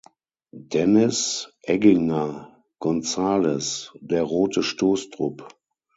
Dennis Egginger-Gonzalez: Der Rote Stoßtrupp.